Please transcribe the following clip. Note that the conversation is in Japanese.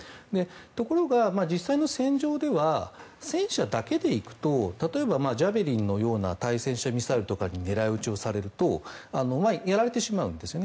ところが実際の戦場では戦車だけで行くと例えばジャベリンのような対戦車ミサイルに狙い撃ちをされるとやられてしまうんですよね。